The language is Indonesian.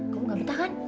kamu gak betah kan